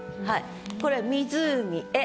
これ「湖へ」。